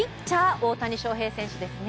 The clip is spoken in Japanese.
大谷翔平選手ですね。